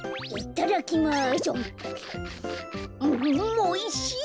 おいしい。